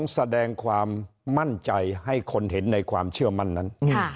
แสดงความมั่นใจให้คนเห็นในความเชื่อมั่นนั้น